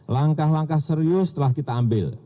langkah langkah serius telah kita ambil